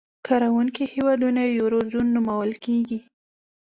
کاروونکي هېوادونه یې یورو زون نومول کېږي.